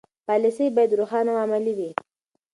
پالیسي باید روښانه او عملي وي.